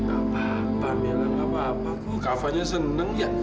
apa apa mila gak apa apa kok kavanya seneng ya